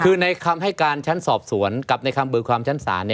คือในคำให้การชั้นสอบสวนกับในคำเบิกความชั้นศาล